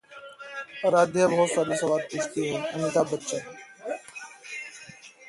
अराध्या बहुत सारे सवाल पूछती है: अमिताभ बच्चन